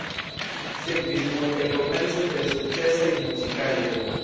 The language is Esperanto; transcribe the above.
Sekvis multaj komerce tre sukcesaj muzikaĵoj.